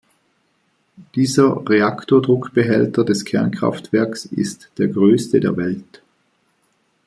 Dieser Reaktordruckbehälter des Kernkraftwerks ist der größte der Welt.